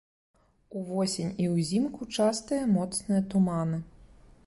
Увосень і ўзімку частыя моцныя туманы.